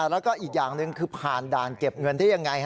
แล้วก็อีกอย่างหนึ่งคือผ่านด่านเก็บเงินได้ยังไง